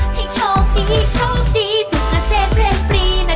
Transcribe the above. ให้โชคดีโชคดีสุขเศษเร็บรีนะ